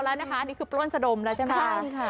หล่านะคะนี่คือป้นสะดมแล้วใช่ค่ะ